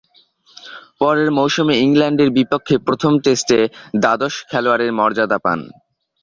পরের মৌসুমে ইংল্যান্ডের বিপক্ষে প্রথম টেস্টে দ্বাদশ খেলোয়াড়ের মর্যাদা পান।